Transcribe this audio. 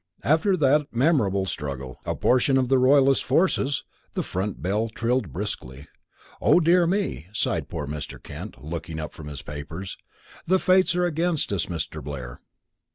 After that memorable struggle, a portion of the royalist forces " The front door bell trilled briskly. "Oh, dear me," sighed poor Mr. Kent, looking up from his papers. "The fates are against us, Mr. Blair."